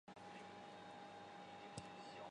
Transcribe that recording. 周盘龙人。